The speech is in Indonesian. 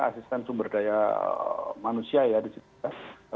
asisten sumber daya manusia ya disitu